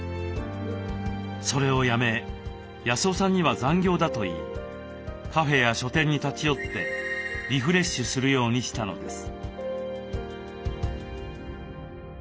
それをやめ康雄さんには残業だと言いカフェや書店に立ち寄ってリフレッシュするようにしたのです。